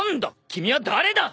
君は誰だ！